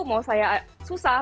mau saya susah